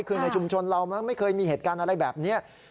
คือในชุมชนเรามั้งไม่เคยมีเหตุการณ์อะไรแบบนี้